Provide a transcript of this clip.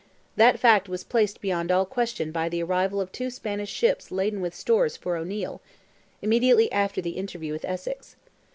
That fact was placed beyond all question by the arrival of two Spanish ships laden with stores for O'Neil, immediately after the interview with Essex.